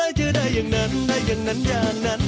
ไม่ชอบอะไรจะได้อย่างนั้นได้อย่างนั้นอย่างนั้น